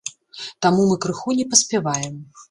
Таму мы крыху не паспяваем.